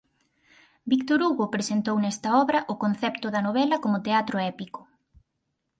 Victor Hugo presentou nesta obra o concepto da novela como teatro épico.